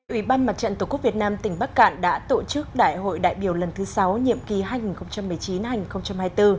ủy ban mặt trận tổ quốc việt nam tỉnh bắc cạn đã tổ chức đại hội đại biểu lần thứ sáu nhiệm kỳ hai nghìn một mươi chín hai nghìn hai mươi bốn